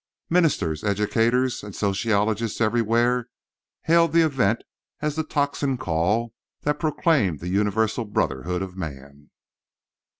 Ministers, educators and sociologists everywhere hailed the event as the tocsin call that proclaimed the universal brotherhood of man.